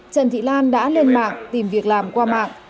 trần thị lan đã lên mạng tìm việc làm qua mạng